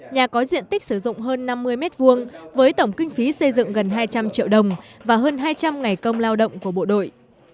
nhà có diện tích sử dụng hơn năm mươi m hai với tổng kinh phí xây dựng gần hai trăm linh triệu đồng và hơn hai trăm linh ngày công lao động của bộ đội